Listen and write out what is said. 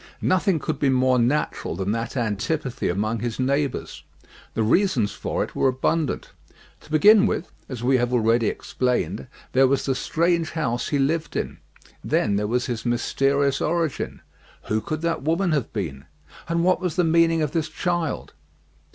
Nothing could be more natural than that antipathy among his neighbours. The reasons for it were abundant. To begin with, as we have already explained, there was the strange house he lived in; then there was his mysterious origin. Who could that woman have been? and what was the meaning of this child?